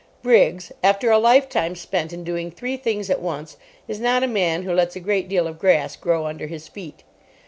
Briggs, after a lifetime spent in doing three things at once, is not a man who lets a great deal of grass grow under his feet.